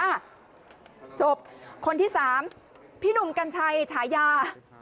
จบคนที่สามพี่หนุ่มกัญชัยฉายา